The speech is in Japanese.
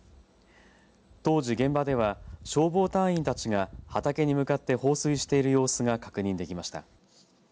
当時現場では消防隊員たちが畑に向かって放水している様子が確認できました。